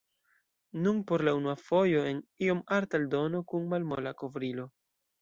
Nun por la unua fojo en iom arta eldono, kun malmola kovrilo.